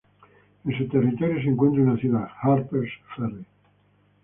En su territorio se encuentra una ciudad, Harpers Ferry.